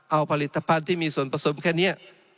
เอาผลิตภัณฑ์ที่มีส่วนผสมแค่นี้